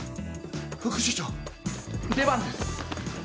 副署長出番です。